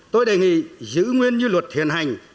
tôi đề nghị giữ nguyên như luật hiện hành